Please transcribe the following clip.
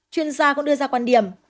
chuyên gia cũng đưa ra quan điểm